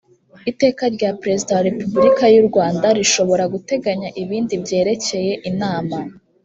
iteka rya perezida wa repubulika y u rwanda rishobora guteganya ibindi byerekeye inama